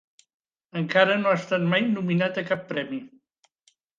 Encara no ha estat mai nominat a cap premi.